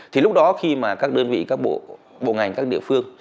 thì lúc đó khi mà các đơn vị các bộ ngành các địa phương